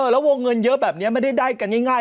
แล้ววงเงินเยอะแบบนี้ไม่ได้ได้กันง่าย